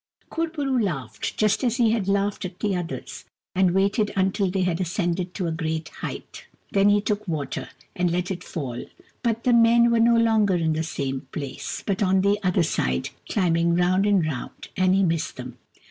Kur bo roo laughed, just as he had laughed at the others, and waited until they had ascended to a great height. Then he took water, and let it fall — but the men were no longer in the same place, but on the other side, climbing round and round, and he missed them.